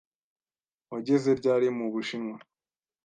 Wageze ryari mu Bushinwa?